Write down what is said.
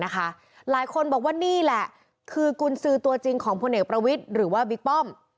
หลายคนบอกว่านี่แหละคือกุญสือตัวจริงของพลเอกประวิทย์หรือว่าบิ๊กป้อม